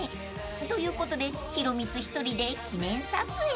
［ということでヒロミツ一人で記念撮影］